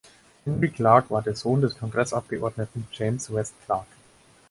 Henry Clark war der Sohn des Kongressabgeordneten James West Clark.